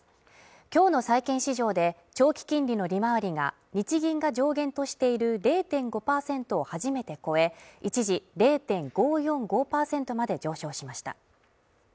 きょうの債券市場で長期金利の利回りが日銀が上限としている０．５％を初めて超え一時０．５４５％まで上昇しました